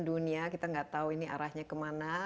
dunia kita nggak tahu ini arahnya kemana